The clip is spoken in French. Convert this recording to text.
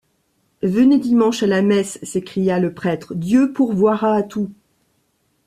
Venez dimanche à la messe, s’écria le prêtre, Dieu pourvoira à tout!